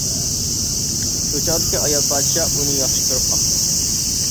شۇ چاغدىكى ئايال پادىشاھ ئۇنى ياخشى كۆرۈپ قاپتۇ.